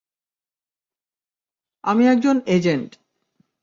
আমি একজন এজেন্ট।